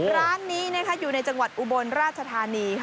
ร้านนี้อยู่ในจังหวัดอุบลราชธานี